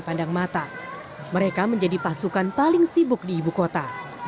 pasukan orangnya juga menjadi pasukan yang paling sibuk di ibu kota